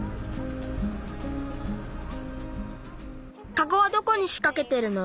カゴはどこにしかけてるの？